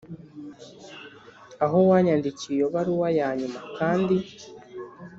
aho wanyandikiye iyo baruwa yanyuma kandi